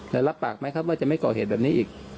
รับปากไหมครับว่าจะไม่ก่อเหตุแบบนี้อีก